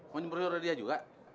mau nyuruh rodia juga